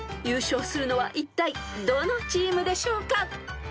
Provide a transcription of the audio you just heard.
［優勝するのはいったいどのチームでしょうか？］